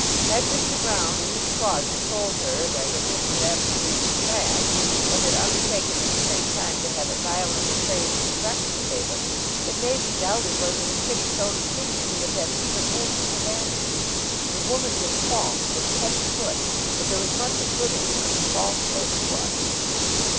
Had Mr. Broune, in his closet, told her that her book was absolutely trash, but had undertaken at the same time to have it violently praised in the "Breakfast Table," it may be doubted whether the critic's own opinion would have even wounded her vanity. The woman was false from head to foot, but there was much of good in her, false though she was.